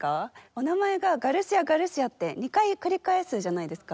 お名前が「ガルシア・ガルシア」って２回繰り返すじゃないですか。